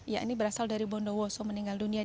ya ini berasal dari bondowoso meninggal dunia